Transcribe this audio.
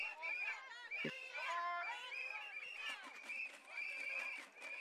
Rimana Wasiqa, llaqta runakunapa sutinpi riman.